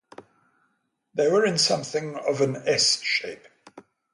They were in something of an S-shape.